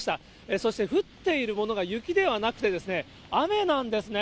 そして、降っているものが雪ではなくてですね、雨なんですね。